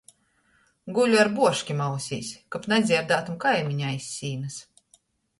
Guļu ar buoškim ausīs, kab nadzierdātum kaimiņu aiz sīnys.